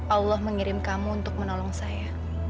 allah mengirim kamu untuk menolong saya